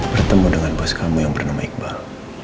bertemu dengan bos kamu yang bernama iqbal